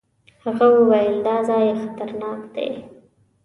هغه وويل دا ځای خطرناک دی.